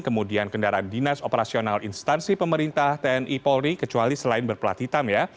kemudian kendaraan dinas operasional instansi pemerintah tni polri kecuali selain berpelat hitam ya